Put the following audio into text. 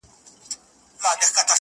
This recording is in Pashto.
زه د ملي بیرغ په رپ ـ رپ کي اروا نڅوم؛